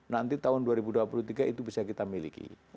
nanti tahun dua ribu dua puluh tiga itu bisa kita miliki